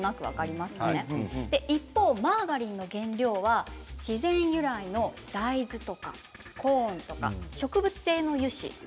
一方マーガリンの原料は自然由来の大豆やコーンとか植物性の油脂